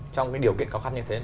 trong cái điều kiện khó khăn như thế